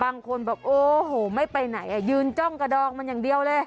บางคนบอกโอ้โหไม่ไปไหนยืนจ้องกระดองมันอย่างเดียวเลย